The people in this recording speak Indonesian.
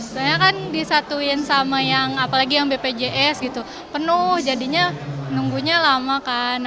sebenarnya kan disatuin sama yang bpjs penuh jadinya nunggunya lama kan